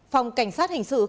phòng cảnh sát hình sự công an